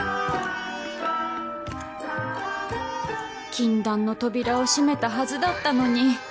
禁断の扉を閉めたはずだったのに